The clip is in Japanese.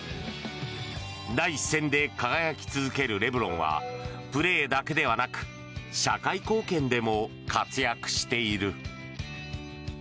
第一線で輝き続けるレブロンはプレーだけではなく社会貢献でも活躍している。